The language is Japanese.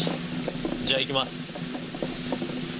じゃあいきます。